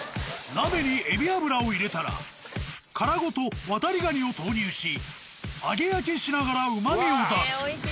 鍋にエビ油を入れたら殻ごとワタリガニを投入し揚げ焼きしながらうまみを出す。